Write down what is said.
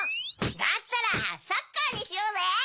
だったらサッカーにしようぜ！